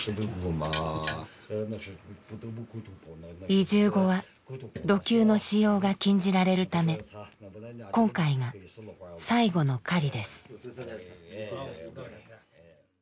移住後は弩弓の使用が禁じられるため今回が最後の狩りです。